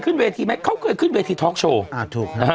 เขาเคยขึ้นเวทีท็อกโชว์